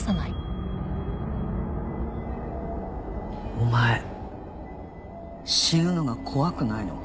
お前死ぬのが怖くないのか？